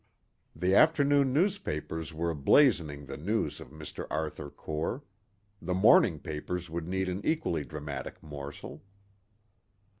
The afternoon newspapers were blazoning the news of Mr. Arthur Core. The morning papers would need an equally dramatic morsel.